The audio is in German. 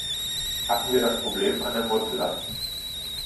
Packen wir das Problem an der Wurzel an.